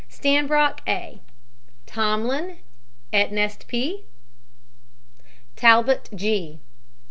STANBROCKE, A. TOMLIN, ETNEST P. TALBOT, G.